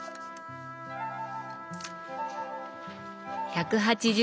１８０